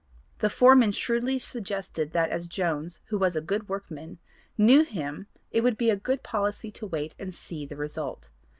The foreman shrewdly suggested that as Jones, who was a good workman, knew him it would be a good policy to wait and see the result.